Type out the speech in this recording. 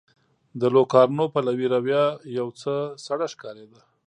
د لوکارنو پلوي رویه یو څه سړه ښکارېده.